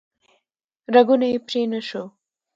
رګونه یې پرې نه شو